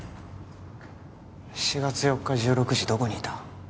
４月４日１６時どこにいた？